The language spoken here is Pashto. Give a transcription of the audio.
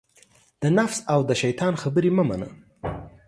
د نفس او دشیطان خبرې مه منه